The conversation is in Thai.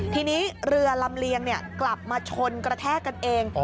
ทีนี้เรือลำเลียงกลับมาชนกระแทกกันเอง